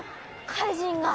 かいじんが。